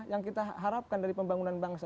yang kita harapkan dari pembangunan bangsa